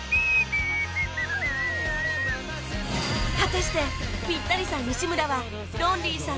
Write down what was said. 果たしてピッタリさん西村はロンリーさん